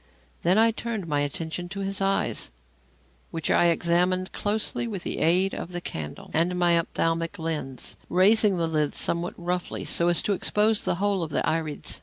Then I turned my attention to his eyes, which I examined closely with the aid of the candle and my ophthalmoscope lens, raising the lids somewhat roughly so as to expose the whole of the irises.